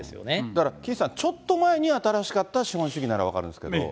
だから、岸さん、ちょっと前に新しかった資本主義なら分かるんですけど。